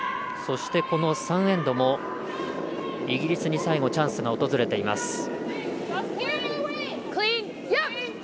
そして、この３エンドもイギリスに最後チャンスが訪れています。